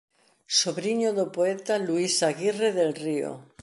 Sobriño do poeta Luís Aguirre del Río.